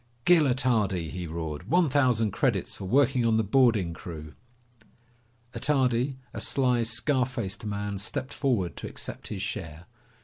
"Gil Attardi!" he roared. "One thousand credits for working on the boarding crew." Attardi, a sly, scar faced man, stepped forward to accept his share.